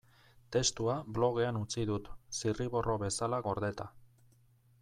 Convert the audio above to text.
Testua blogean utzi dut, zirriborro bezala gordeta.